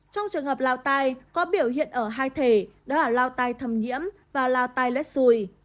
trong trường hợp lao tai có biểu hiện ở hai thể đó là lao tai thầm nhiễm và lao tai lết xùi